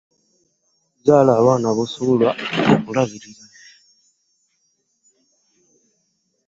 Zaala abaana bosobola okulabirira.